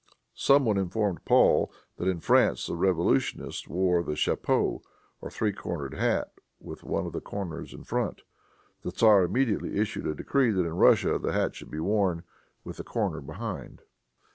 Some one informed Paul that in France the revolutionists wore the chapeau, or three cornered hat, with one of the corners in front. The tzar immediately issued a decree that in Russia the hat should be worn with the corner behind.